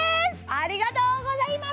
ありがとうございます！